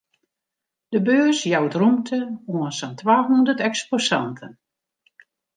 De beurs jout rûmte oan sa'n twahûndert eksposanten.